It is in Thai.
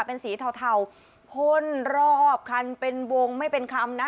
เป็นสีเทาพ่นรอบคันเป็นวงไม่เป็นคำนะ